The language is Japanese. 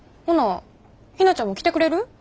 ほなひなちゃんも来てくれる？